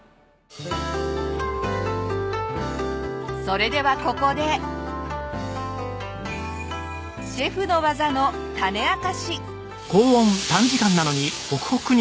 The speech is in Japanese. それではここでシェフの技の種明かし！